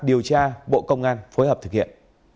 điều tra bộ công an phối hợp thực hiện